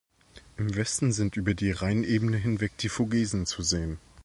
Im Westen sind über die Rheinebene hinweg die Vogesen zu sehen.